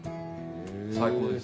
最高です。